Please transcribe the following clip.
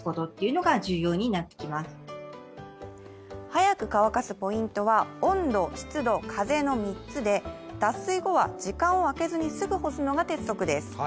早く乾かすポイントは温度、湿度、風の３つで、脱水後は時間をあけずにすぐ干すのが鉄則です。